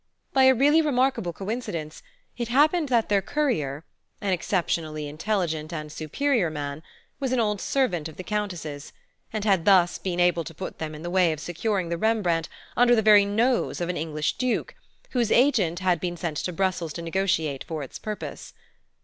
By a really remarkable coincidence, it happened that their courier (an exceptionally intelligent and superior man) was an old servant of the Countess's, and had thus been able to put them in the way of securing the Rembrandt under the very nose of an English Duke, whose agent had been sent to Brussels to negotiate for its purchase.